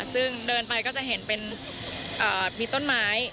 ซึ่งเดินไปก็จะเห็นเป็นมีต้นไม้